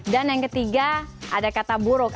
dan yang ketiga ada kata buruk